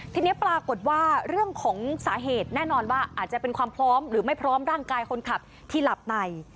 ทีนี้ปรากฏว่าเรื่องของสาเหตุแน่นอนว่าอาจจะเป็นความพร้อมหรือไม่พร้อมร่างกายคนขับที่หลับใน